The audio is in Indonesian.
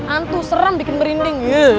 antu serem bikin merinding